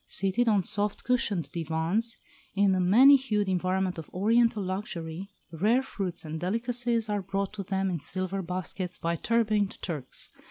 Seated on soft cushioned divans, in the many hued environment of Oriental luxury, rare fruits and delicacies are brought to them in silver baskets by turbaned Turks.